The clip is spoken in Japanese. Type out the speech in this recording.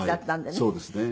そうですね。